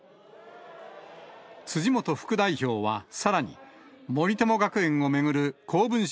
辻元副代表は、さらに、森友学園を巡る公文書